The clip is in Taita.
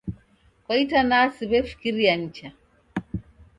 Kwa itanaa siw'efikiria nicha